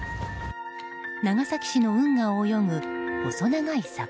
長崎市の運河を泳ぐ細長い魚。